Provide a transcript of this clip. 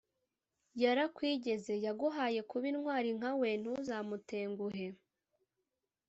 Yarakwigeze: yaguhaye kuba intwari nka we ntuzamutenguhe.